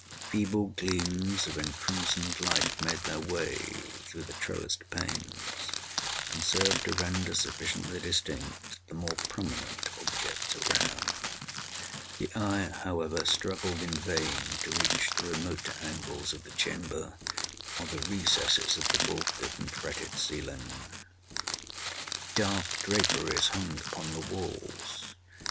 Feeble gleams of encrimsoned light made their way through the trellissed panes, and served to render sufficiently distinct the more prominent objects around; the eye, however, struggled in vain to reach the remoter angles of the chamber, or the recesses of the vaulted and fretted ceiling. Dark draperies hung upon the walls.